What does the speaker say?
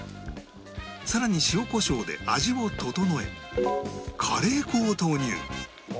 更に塩コショウで味を調えカレー粉を投入